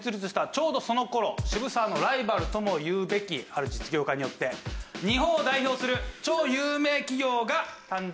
ちょうどその頃渋沢のライバルともいうべきある実業家によって日本を代表する超有名企業が誕生致します。